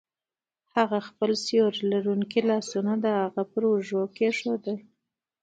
هغه خپل سیوري لرونکي لاسونه د هغه په اوږه کیښودل